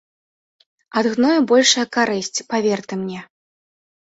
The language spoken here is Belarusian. Ад гною большая карысць, павер ты мне.